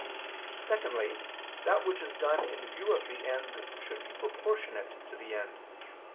Secondly, that which is done in view of the end should be proportionate to the end.